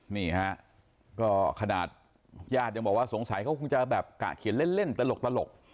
นี่ฮะก็ขนาดญาติยังบอกว่าสงสัยเขาคงจะแบบกะเขียนเล่นตลก